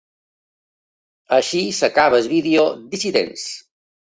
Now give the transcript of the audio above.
Així s’acaba el vídeo Dissidents.